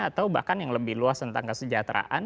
atau bahkan yang lebih luas tentang kesejahteraan